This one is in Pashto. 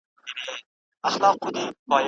د نجونو ښوونځي باید په هر کلي او ښار کي پرانیستي وي.